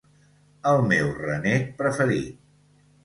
El meu renec preferit